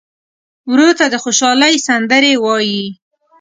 ورور ته د خوشحالۍ سندرې وایې.